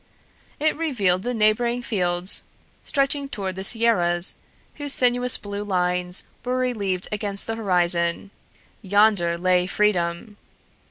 It revealed the neighboring fields, stretching toward the sierras, whose sinuous blue lines were relieved against the horizon. Yonder lay freedom!